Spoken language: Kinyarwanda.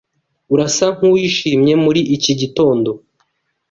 Urasa nkuwishimye muri iki gitondo.